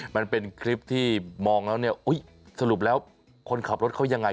มันเป็นคลิปที่มองแล้วเนี่ยสรุปแล้วคนขับรถเขายังไง